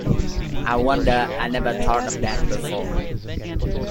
I wonder I never thought of that before.